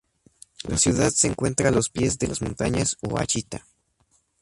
La ciudad se encuentra a los pies de las montañas Ouachita.